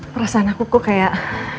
perasaan aku kok kayak